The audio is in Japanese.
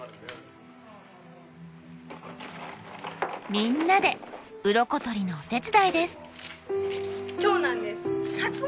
みんなでウロコ取りのお手伝いです。